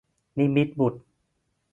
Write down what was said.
นิมิตรบุตร